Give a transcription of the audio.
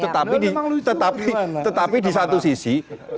tetapi di satu sisi